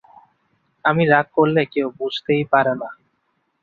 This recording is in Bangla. আমি রাগ করলে কেউ বুঝতেই পারেনা।